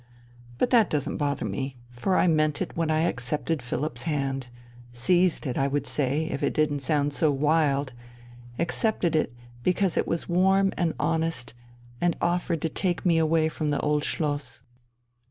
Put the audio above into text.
But that doesn't bother me, for I meant it when I accepted Philipp's hand seized it, I would say, if it didn't sound so wild accepted it because it was warm and honest, and offered to take me away from the Old Schloss.